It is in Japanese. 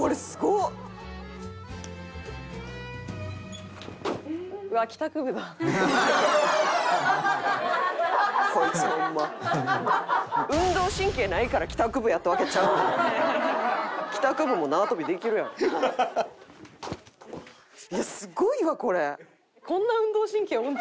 いやすごいわこれ！